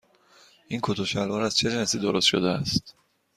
این کت و شلوار از چه جنسی درست شده است؟